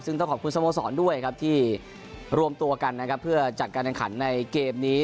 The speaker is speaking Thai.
ซึ่งต้องขอบคุณสโมสรด้วยครับที่รวมตัวกันนะครับเพื่อจัดการแข่งขันในเกมนี้